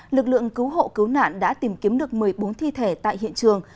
lực lượng cứu hộ cứu nạn đã tìm kiếm được một mươi bốn thi thể tại hiện trường